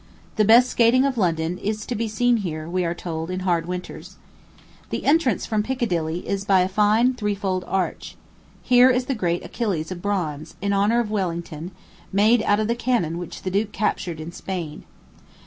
The best skating of London is to be seen here, we are told, in hard winters. The entrance from Piccadilly is by a fine threefold arch. Here is the great Achilles of bronze, in honor of Wellington, made out of the cannon which the duke captured in Spain.